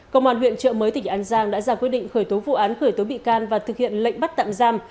công an huyện trợ mới tỉnh an giang đã ra quyết định khởi tố vụ án khởi tố bị can và thực hiện lệnh bắt tạm giam